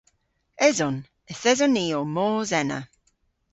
Eson. Yth eson ni ow mos ena.